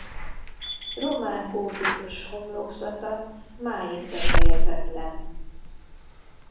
Román-gótikus homlokzata máig befejezetlen.